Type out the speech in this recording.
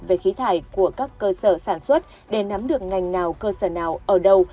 về khí thải của các cơ sở sản xuất để nắm được ngành nào cơ sở nào ở đâu